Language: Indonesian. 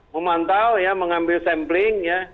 memantau mengambil sampling